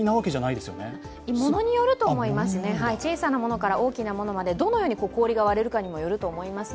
ものによると思います、小さなものから大きなものまでどのように氷が割れるかにもよると思います。